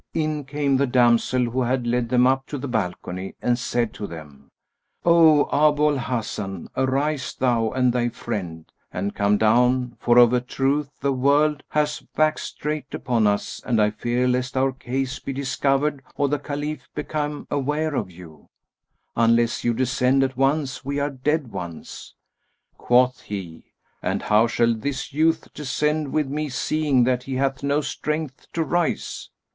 in came the damsel who had led them up to the balcony and said to him, "O Abu al Hasan, arise thou and thy friend and come down, for of a truth the world hath waxed strait upon us and I fear lest our case be discovered or the Caliph become aware of you; unless you descend at once we are dead ones." Quoth he, "And how shall this youth descend with me seeing that he hath no strength to rise?"